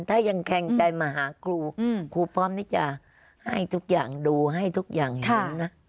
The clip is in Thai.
ถ้ายังแข็งใจมาหาครูครูพร้อมที่จะให้ทุกอย่างดูให้ทุกอย่างเห็นนะ